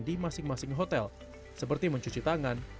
di masing masing hotel seperti mencuci tangan